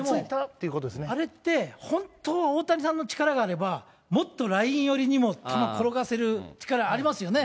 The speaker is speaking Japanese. あれって、本当は大谷さんの力があれば、もっとライン寄りにも球、転がせる力ありますよね。